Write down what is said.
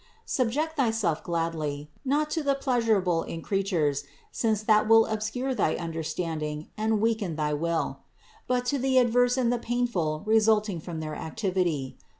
Subject thyself gladly, not to the pleasurable in creatures, since that will obscure thy understanding and weaken thy will, but to the adverse and the painful resulting from their activity.